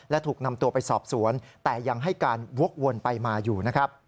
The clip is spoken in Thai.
และถูกนำตัวไปสอบสวนแต่ยังให้การวกวนไปมาอยู่นะครับ